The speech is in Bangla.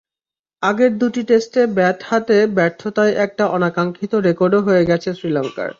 আগের দুটি টেস্টে ব্যাট হাতে ব্যর্থতায় একটা অনাকাঙ্ক্ষিত রেকর্ডও হয়ে গেছে শ্রীলঙ্কার।